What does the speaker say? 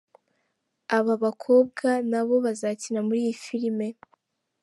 Aba bakobwa nabo bazakina muri iyi filime.